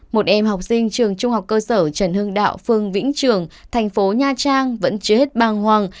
một em học sinh trường trung học cơ sở trần hưng đạo phương vĩnh trường thành phố nha trang vẫn chưa hết bàng hoàng